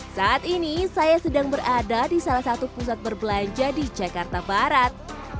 saat ini saya sedang berada di salah satu pusat berbelanja di jakarta barat